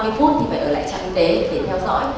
bạn có thể ở lại trạm y tế để theo dõi